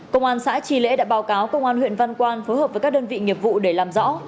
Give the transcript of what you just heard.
công an xã tri lễ đã báo cáo công an huyện văn quan phối hợp với các đơn vị nghiệp vụ để làm rõ